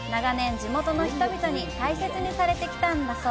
地元の人々に大切にされてきたんだそう。